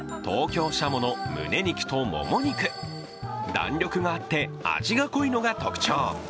弾力があって、味が濃いのが特徴。